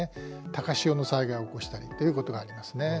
高潮の災害を起こしたりということがありますね。